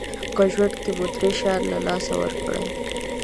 که ژوند کې مو درې شیان له لاسه ورکړل